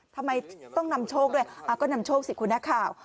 ทำไมต้องนำโชคด้วยก็นำโชคสิคุณนักข่าว